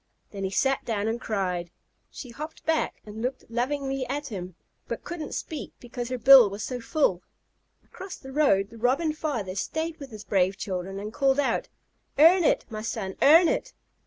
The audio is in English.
Then he sat down and cried. She hopped back and looked lovingly at him, but couldn't speak because her bill was so full. Across the road the Robin father stayed with his brave children and called out, "Earn it, my son, earn it!"